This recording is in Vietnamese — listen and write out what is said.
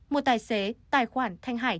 một tài xế tài khoản thanh hải